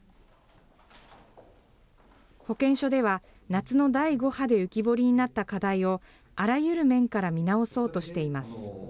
保健所では、夏の第５波で浮き彫りになった課題を、あらゆる面から見直そうとしています。